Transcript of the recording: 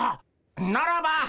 ならば。